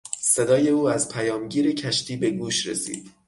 صدای او از پیامگیر کشتی به گوش رسید.